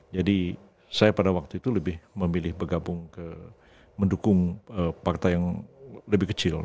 jadi saya pada waktu itu lebih memilih bergabung ke mendukung partai yang lebih kecil